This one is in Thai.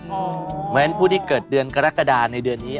เพราะฉะนั้นผู้ที่เกิดเดือนกรกฎาในเดือนนี้